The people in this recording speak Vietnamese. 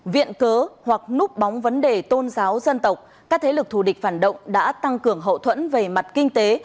viện cớ hoặc núp bóng vấn đề tôn giáo dân tộc các thế lực thù địch phản động đã tăng cường hậu thuẫn về mặt kinh tế